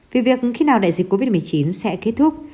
vì việc khi nào đại dịch covid một mươi chín sẽ kết thúc